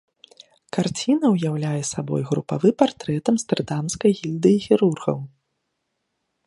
Карціна ўяўляе сабой групавы партрэт амстэрдамскай гільдыі хірургаў.